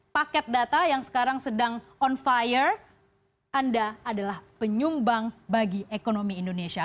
paket data yang sekarang sedang on fire anda adalah penyumbang bagi ekonomi indonesia